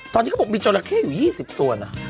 ตอนนี้เขาบอกมีจราเข้อยู่๒๐ตัวนะ